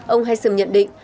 ông heisen nhận định